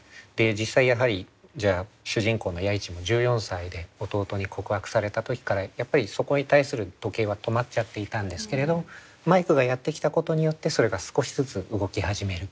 実際やはり主人公の弥一も１４歳で弟に告白された時からやっぱりそこに対する時計は止まっちゃっていたんですけれどマイクがやって来たことによってそれが少しずつ動き始める。